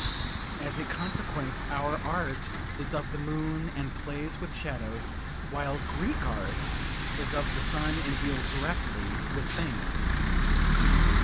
As a consequence our art is of the moon and plays with shadows, while Greek art is of the sun and deals directly with things.